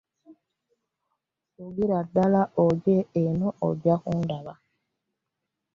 Vugira ddala ojje eno ojja kundaba.